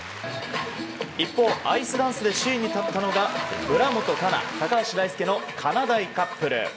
一方、アイスダンスで首位に立ったのが村元哉中、高橋大輔のかなだいカップル。